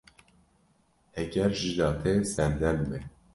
Heger jina te sernerm be.